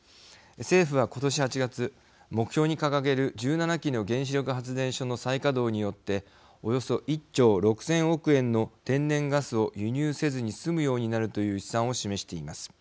政府は今年８月、目標に掲げる１７基の原子力発電所の再稼働によっておよそ１兆６０００億円の天然ガスを輸入せずに済むようになるという試算を示しています。